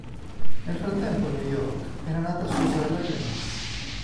Nel frattempo a New York era nata sua sorella Jane.